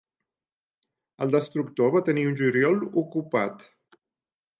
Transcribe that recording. El destructor va tenir un juliol ocupat.